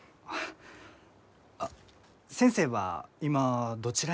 あっ先生は今どちらに？